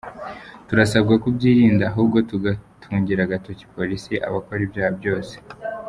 Turasabwa kubyirinda, ahubwo tugatungira agatoki Polisi abakora ibyaha byose.